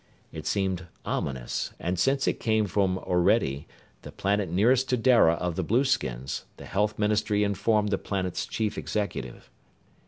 It seemed ominous, and since it came from Orede, the planet nearest to Dara of the blueskins, the health ministry informed the planet's chief executive.